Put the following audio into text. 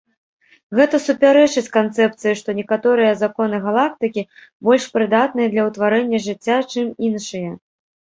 Гэта супярэчыць канцэпцыі, што некаторыя зоны галактыкі больш прыдатныя для ўтварэння жыцця, чым іншыя.